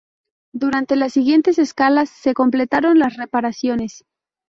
Durante las siguientes escalas se completaron las reparaciones.